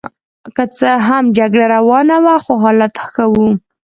که څه هم جګړه روانه وه خو حالات ښه وو.